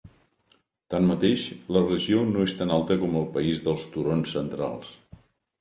Tanmateix, la regió no és tan alta com el país dels turons centrals.